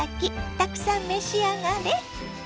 たくさん召し上がれ。